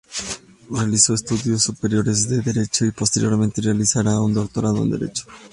Realizó estudios superiores de derecho y posteriormente realizaría un doctorado en Derecho.